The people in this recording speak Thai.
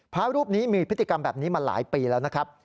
พระรูปนี้มีพฤติกรรมแบบนี้มาหลายปีแล้วนะครับ